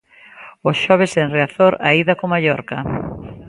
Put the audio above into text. O xoves en Riazor, a ida co Mallorca.